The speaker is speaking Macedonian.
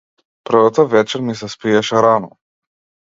Првата вечер ми се спиеше рано.